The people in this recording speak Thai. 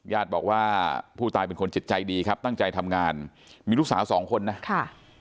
ญาติบอกว่าผู้ตายเป็นคนจิตใจดีครับตั้งใจทำงานมีลูกสาวสองคนนะค่ะ